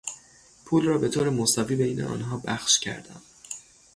پول را به طور مساوی بین آنها بخش کردم.